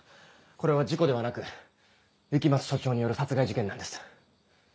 これは事故ではなく雪松署長による殺害事件なんです。